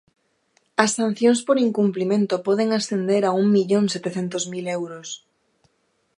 As sancións por incumprimento poden ascender a un millón setecentos mil euros.